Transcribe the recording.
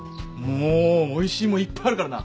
もうおいしい物いっぱいあるからな。